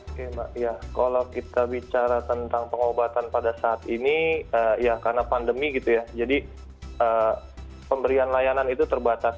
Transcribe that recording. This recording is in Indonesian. kalau kita bicara tentang pengobatan pada saat ini karena pandemi gitu ya jadi pemberian layanan itu terbatas